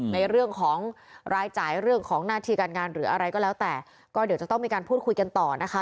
ในเรื่องของรายจ่ายเรื่องของหน้าที่การงานหรืออะไรก็แล้วแต่ก็เดี๋ยวจะต้องมีการพูดคุยกันต่อนะคะ